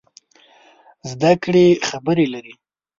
زده کړې خبرې لري.